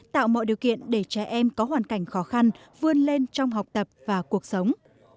tạo mọi điều kiện để trẻ em có hoàn cảnh khó khăn vươn lên trong học tập và cuộc sống